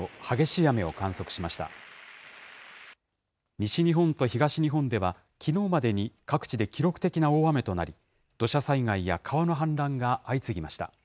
西日本と東日本では、きのうまでに各地で記録的な大雨となり、土砂災害や川の氾濫が相次ぎました。